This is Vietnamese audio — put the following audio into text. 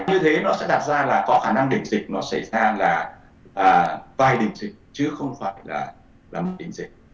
như thế nó sẽ đạt ra là có khả năng đỉnh dịch nó sẽ ra là vai đỉnh dịch chứ không phải là một đỉnh dịch